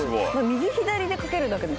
右左で描けるだけでも。